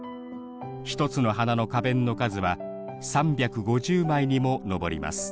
１つの花の花弁の数は３５０枚にも上ります